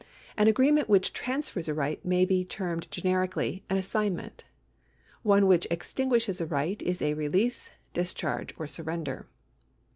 An agreement which trans fers a right may be termed generically an assignment. One which extinguishes a right is a release, discharge, or surrender.